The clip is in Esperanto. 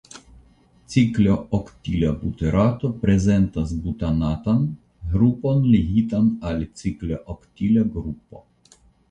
Ciklooktila buterato prezentas butanatan grupon ligitan al ciklooktila grupo.